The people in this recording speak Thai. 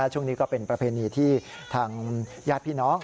ช่วงนี้ก็เป็นประเพณีที่ทางญาติพี่น้อง